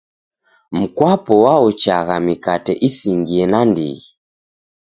Mkwapo waochagha mikate isingie nandighi.